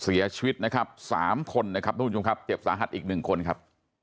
เสียชีวิตนะครับ๓คนนะครับทุกผู้ชมครับเจ็บสาหัสอีกหนึ่งคนครับ